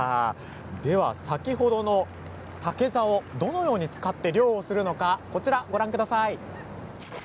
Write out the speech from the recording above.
では先ほどの竹ざおをどのように使って漁をするのかこちらをご覧ください。